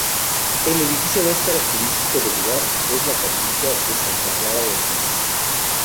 El edificio más característico del lugar, es la Capilla de Santa Clara de Asís.